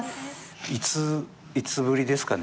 いついつぶりですかね？